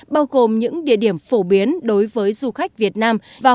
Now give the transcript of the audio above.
bao gồm những địa điểm phổ biến đối với du khách việt nam